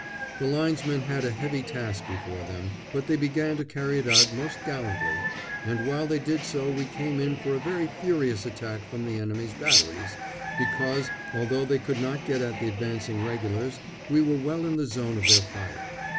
The Linesmen had a heavy task before them, but they began to carry it out most gallantly, and while they did so we came in for a very furious attack from the enemy's batteries, because, although they could not get at the advancing Regulars, we were well in the zone of their fire.